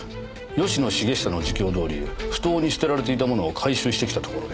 吉野茂久の自供どおり埠頭に捨てられていたものを回収してきたところです。